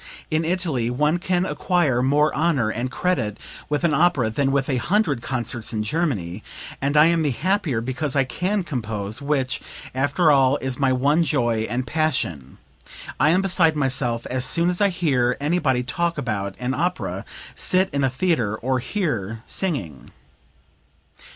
In Italy one can acquire more honor and credit with an opera than with a hundred concerts in Germany, and I am the happier because I can compose, which, after all, is my one joy and passion....I am beside myself as soon as I hear anybody talk about an opera, sit in a theatre or hear singing."